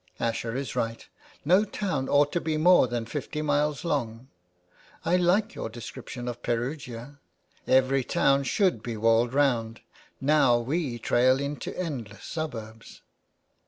Asher is right. No town ought to be more than fifty miles long. I like your description of Perugia. Every town should be walled round, now we trail into endless suburbs."